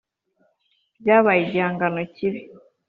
Byabaye igihango kibi